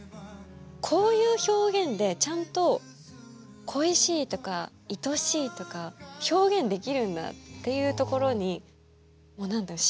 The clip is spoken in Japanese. こういう表現でちゃんと恋しいとかいとしいとか表現できるんだっていうところにもう何だろう